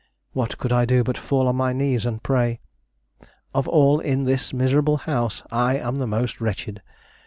What could I do but fall on my knees and pray! Of all in this miserable house, I am the most wretched.